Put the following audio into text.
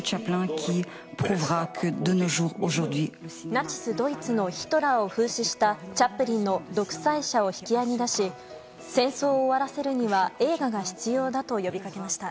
ナチスドイツのヒトラーを風刺したチャップリンの「独裁者」を引き合いに出し戦争を終わらせるには映画が必要だと呼びかけました。